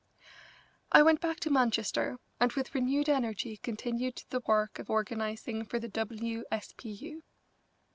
I went back to Manchester and with renewed energy continued the work of organising for the W. S. P.